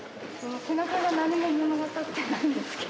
背中が何も物語ってないんですけど。